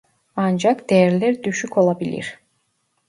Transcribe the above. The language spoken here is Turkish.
Ancak değerler düşük olabilir